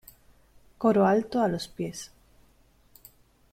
Coro alto a los pies.